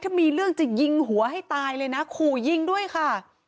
ถ้ามีเรื่องจะยิงหัวให้ตายเลยนะขู่ยิงด้วยค่ะ